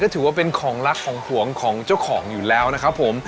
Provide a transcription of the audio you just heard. ถือว่าเป็นของรักของห่วงของเจ้าของอยู่แล้วนะครับผม